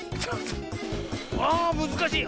あむずかしい。